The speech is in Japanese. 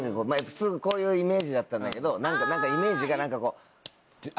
こういうイメージだったんだけどイメージが何かこう。